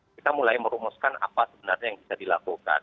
kita mulai merumuskan apa sebenarnya yang bisa dilakukan